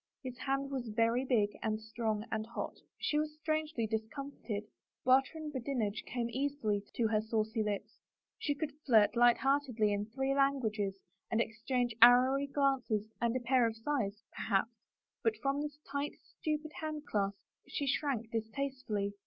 His hand was very big and strong and hot. She was strangely discomfited. Barter and badinage came easily to her saucy lips, she could flirt light heart edly in three languages and exchange arrowy glances and a pair of sighs, perhaps, but from this tight, stupid handclasp she shrank distastefully.